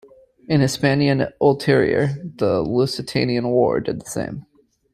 In Hispania Ulterior, the Lusitanian War did the same.